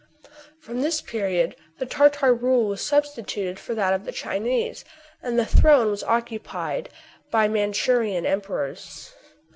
From this period the Tartar rule was substituted for that of the Chinese, and the throne was occu pied by Mandshurian emperors.